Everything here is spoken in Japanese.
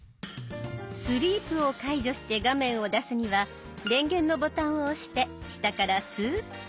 スリープを解除して画面を出すには電源のボタンを押して下からスーッと。